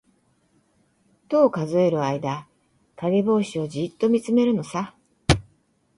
十、数える間、かげぼうしをじっとみつめるのさ。